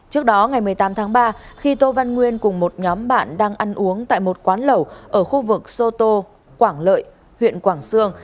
trước đó ngày một mươi tám tháng ba khi tô văn nguyên cùng một nhóm bạn đang ăn uống tại một quán lẩu ở khu vực sô tô quảng lợi huyện quảng sương